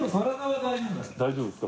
大丈夫ですか？